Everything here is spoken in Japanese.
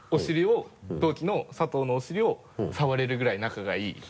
同期の佐藤のお尻を触れるぐらい仲がいい。